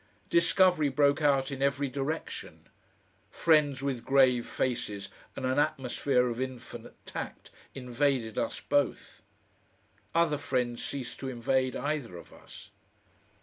Discovery broke out in every direction. Friends with grave faces and an atmosphere of infinite tact invaded us both. Other friends ceased to invade either of us.